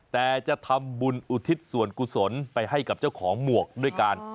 แต่จะทำบุญอุทิศส่วนกุศลไปให้กับเจ้าของหมวกด้วยกัน